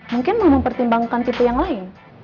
mungkin mau mempertimbangkan tipe yang lain